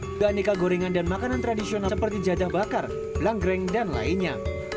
juga aneka gorengan dan makanan tradisional seperti jajah bakar belang geleng dan lainnya